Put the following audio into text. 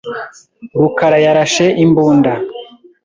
rukarayarashe imbunda.